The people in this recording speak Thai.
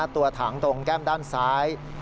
ตัวถังตรงแก้มด้านซ้าย